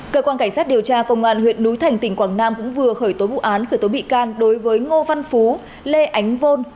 cơ quan cảnh sát điều tra công an huyện núi thành tỉnh quảng nam cũng vừa khởi tố vụ án khởi tố bị can đối với ngô văn phú lê ánh vôn